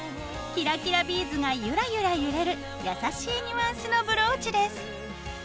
キラキラビーズがゆらゆら揺れる優しいニュアンスのブローチです。